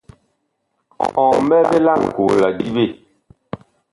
Ɔ mɓɛ vee laŋkoo la diɓe?